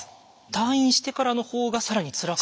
退院してからのほうが更につらかった。